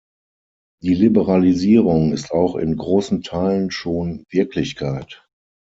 Die Liberalisierung ist auch in großen Teilen schon Wirklichkeit.